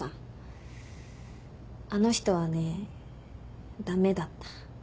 あの人はね駄目だった。